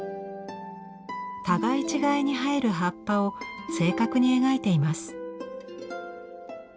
互い違いに生える葉っぱを正確に描いています。